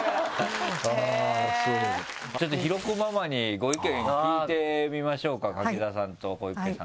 ちょっと広子ママにご意見聞いてみましょうか柿澤さんと小池さんのね。